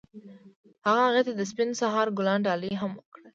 هغه هغې ته د سپین سهار ګلان ډالۍ هم کړل.